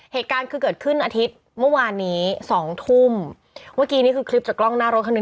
เหตุการณ์คือเกิดขึ้นอาทิตย์เมื่อวานนี้สองทุ่มเมื่อกี้นี่คือคลิปจากกล้องหน้ารถคันหนึ่ง